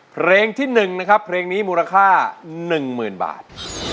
เพลงที่๑นะครับเพลงนี้มูลค่า๑๐๐๐บาท